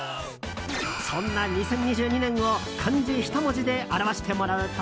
そんな２０２２年を漢字一文字で表してもらうと。